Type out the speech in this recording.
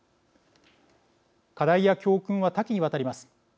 課題や教訓は多岐にわたります。